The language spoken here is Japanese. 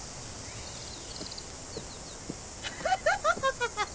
・ハハハハ！